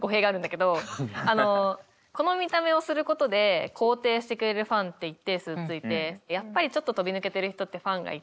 この見た目をすることで肯定してくれるファンって一定数ついてやっぱりちょっと飛び抜けてる人ってファンがいて。